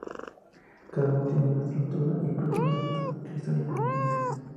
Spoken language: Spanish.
Cada uno tiene una estructura y propiedad cristalina únicas.